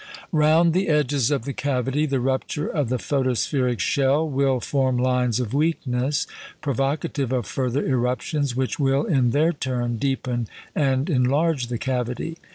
Round the edges of the cavity the rupture of the photospheric shell will form lines of weakness provocative of further eruptions, which will, in their turn, deepen and enlarge the cavity.